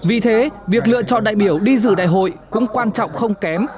vì thế việc lựa chọn đại biểu đi dự đại hội cũng quan trọng không kém